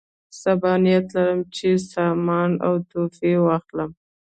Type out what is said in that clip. صبا نیت لرم چې سامان او تحفې واخلم.